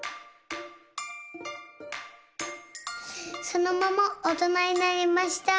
そのままおとなになりました。